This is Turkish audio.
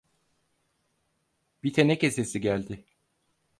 Bir teneke sesi geldi.